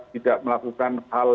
tidak melakukan hal